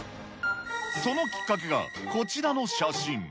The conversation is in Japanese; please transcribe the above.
そのきっかけが、こちらの写真。